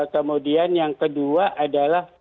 kemudian yang kedua adalah